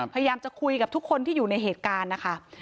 พยายามจะคุยกับทุกคนที่อยู่ในเหตุการณ์นะคะ